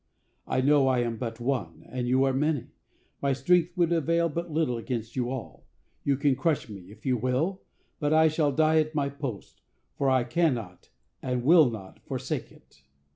I know I am but one, and you are many. My strength would avail but little against you all. You can crush me, if you will; but I shall die at my post, for I cannot and will not forsake it.